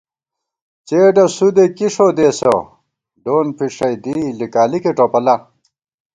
څېڈہ سُودےکی ݭودېسہ، ڈونڈپھِݭئ دی، لِکالِکےٹوپلا